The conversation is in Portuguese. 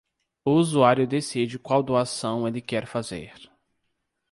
O usuário decide qual doação ele quer fazer.